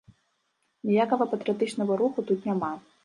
Ніякага патрыятычнага руху тут няма.